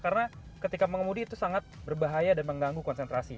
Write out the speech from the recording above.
karena ketika mengemudi itu sangat berbahaya dan mengganggu konsentrasi